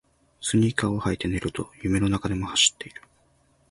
スニーカーを履いて寝ると夢の中でも走っている